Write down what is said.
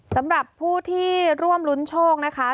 สำหรับผู้ที่ร่วมรุ้นโชคนะคะ